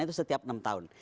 itu setiap enam tahun